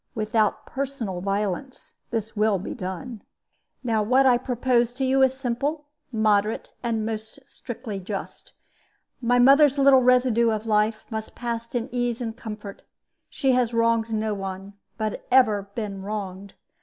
Without personal violence this will be done. "Now what I propose to you is simple, moderate, and most strictly just. My mother's little residue of life must pass in ease and comfort. She has wronged no one, but ever been wronged.